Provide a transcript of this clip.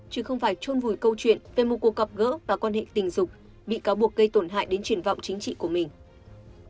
chứ không phải trôn vùi câu chuyện về một cuộc gặp gỡ và quan hệ tình dục bị cáo buộc gây tổn hại đến truyền vọng chính trị của mình